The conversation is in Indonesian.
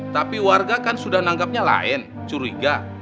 tapi warga kan sudah nanggapnya lain curiga